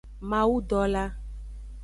Mawudola.